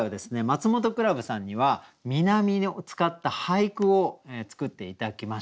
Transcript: マツモトクラブさんには「南風」を使った俳句を作って頂きました。